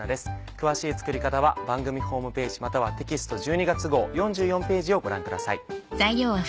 詳しい作り方は番組ホームページまたはテキスト１２月号４４ページをご覧ください。